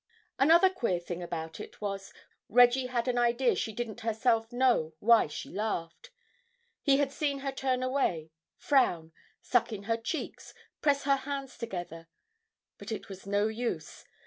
Another queer thing about it was, Reggie had an idea she didn't herself know why she laughed. He had seen her turn away, frown, suck in her cheeks, press her hands together. But it was no use.